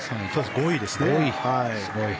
５位ですね。